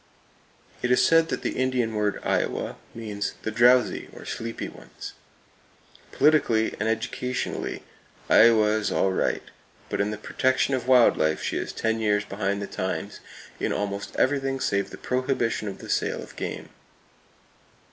It is said that the Indian word "Iowa" means "the drowsy, or sleepy ones." Politically, and educationally, Iowa is all right, but in the protection of wild life she is ten years behind the times, in almost everything save the prohibition of the sale of game.